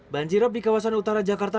banjirop di kawasan utara jakarta